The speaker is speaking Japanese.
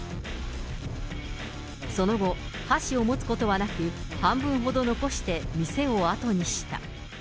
その後、箸を持つことはなく、半分ほど残して店を後にした。